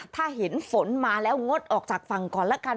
ถ้าเห็นฝนมาแล้วงดออกจากฝั่งก่อนละกัน